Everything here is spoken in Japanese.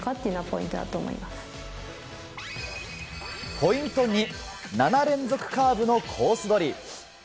ポイント２、７連続カーブのコース取り。